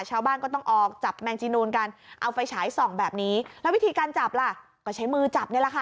ชาวบ้านก็ต้องออกจับแมงจีนูนกันเอาไฟฉายส่องแบบนี้แล้ววิธีการจับล่ะก็ใช้มือจับนี่แหละค่ะ